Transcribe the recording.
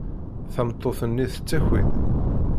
Tameṭṭut-nni tettaki-d.